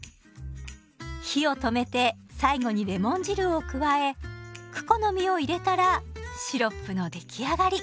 火を止めて最後にレモン汁を加えクコの実を入れたらシロップの出来上がり。